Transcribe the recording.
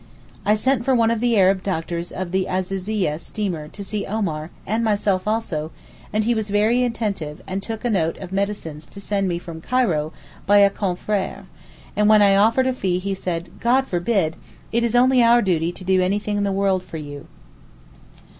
I sent for one of the Arab doctors of the Azizeeyeh steamer to see Omar, and myself also, and he was very attentive, and took a note of medicines to send me from Cairo by a confrère: and when I offered a fee he said, 'God forbid—it is only our duty to do anything in the world for you.